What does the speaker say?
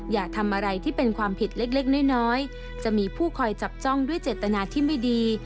อย่าทำอะไรที่เป็นความผิดเล็กน้อยจะมีผู้คอยจับจ้องด้วยเจตนาที่ไม่ดี